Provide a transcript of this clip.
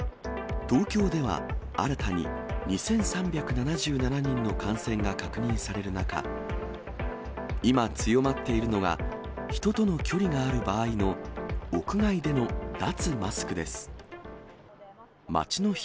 東京では新たに２３７７人の感染が確認される中、今強まっているのが、人との距離がある場合の屋外での脱マスクです。